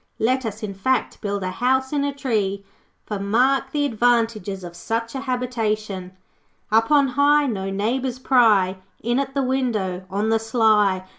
Let us, in fact, build a house in a tree. For, mark the advantages of such a habitation 'Up on high No neighbours pry In at the window, On the sly.